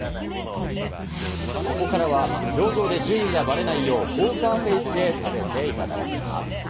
ここからは表情で順位がばれないよう、ポーカーフェースで食べていただきます。